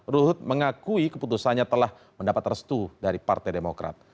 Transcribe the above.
ruhut mengakui keputusannya telah mendapat restu dari partai demokrat